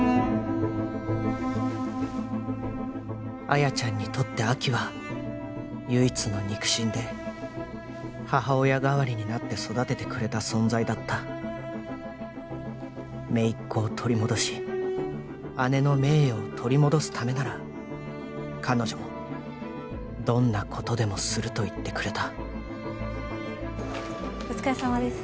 亜矢ちゃんにとって亜希は唯一の肉親で母親代わりになって育ててくれた存在だった姪っ子を取り戻し姉の名誉を取り戻すためなら彼女もどんなことでもすると言ってくれたお疲れさまです